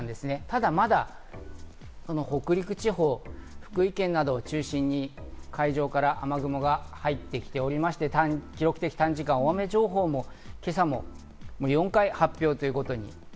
ただまだ北陸地方、福井県などを中心に海上から雨雲が入ってきておりまして、記録的短時間大雨情報も、今朝も４回発表されています。